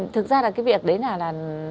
thực ra là cái việc đấy là